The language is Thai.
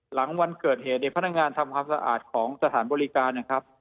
หลังวันเกิดเหตุเนี่ยพนักงานทำความสะอาดของสถานบริการนะครับ